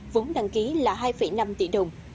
vốn đăng ký là hai năm tỷ đồng